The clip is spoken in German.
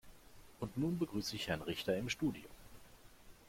Und nun begrüße ich Herrn Richter im Studio.